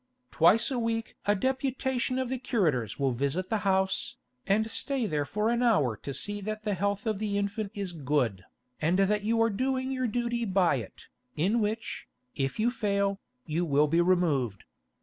Twice a week a deputation of the curators will visit the house, and stay there for an hour to see that the health of the infant is good, and that you are doing your duty by it, in which, if you fail, you will be removed.